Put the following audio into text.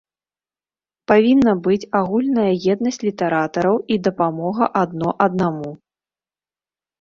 Павінна быць агульная еднасць літаратараў і дапамога адно аднаму.